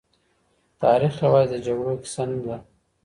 تاريخ يوازې د جګړو کيسه نه ده.